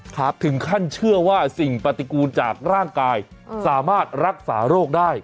ถึงขั้นเชื่อว่าสิ่งปฏิกูลจากร่างกายสามารถรักษาโรคได้